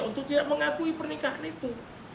untuk tidak mengakui pernikahan itu